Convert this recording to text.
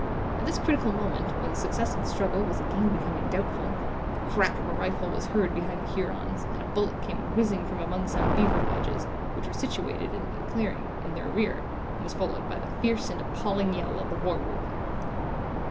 At this critical moment, when the success of the struggle was again becoming doubtful, the crack of a rifle was heard behind the Hurons, and a bullet came whizzing from among some beaver lodges, which were situated in the clearing, in their rear, and was followed by the fierce and appalling yell of the war whoop.